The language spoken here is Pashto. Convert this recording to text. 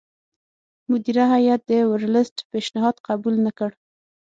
مدیره هیات د ورلسټ پېشنهاد قبول نه کړ.